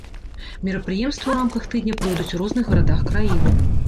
Мерапрыемствы ў рамках тыдня пройдуць у розных гарадах краіны.